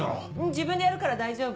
自分でやるから大丈夫。